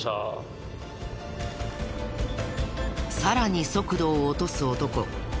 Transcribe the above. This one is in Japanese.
さらに速度を落とす男。